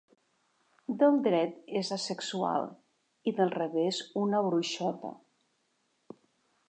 Del dret és asexual i del revés una bruixota.